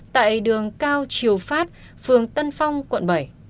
tại đường cao triều phát phương tân phong quận bảy